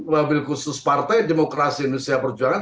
wabil khusus partai demokrasi indonesia perjuangan